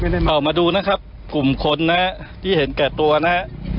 ออกมาดูนะครับกลุ่มคนนะฮะที่เห็นแก่ตัวนะฮะ